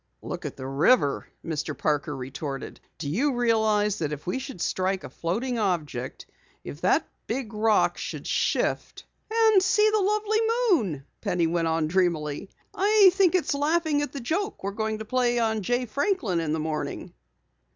"Look at the river," Mr. Parker retorted. "Do you realize that if we should strike a floating object if that big rock should shift " "And see the lovely moon," Penny went on dreamily. "I think it's laughing at the joke we're going to play on Jay Franklin in the morning."